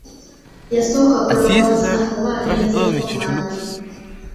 Yasooka kulowooza oba agenzeeko mmanju.